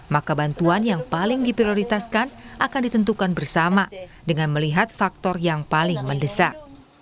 maka bantuan yang paling diprioritaskan akan ditentukan bersama dengan melihat faktor yang paling mendesak